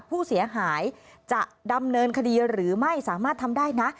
ผู้เสียหายจะดำเนินคดีหรือไม่สามารถทำได้นะ